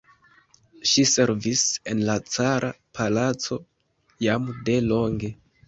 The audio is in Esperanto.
Ŝi servis en la cara palaco jam de longe.